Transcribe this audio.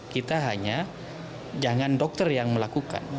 kita hanya jangan dokter yang melakukan